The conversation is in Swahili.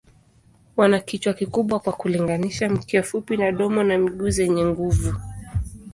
Wana kichwa kikubwa kwa kulinganisha, mkia mfupi na domo na miguu zenye nguvu.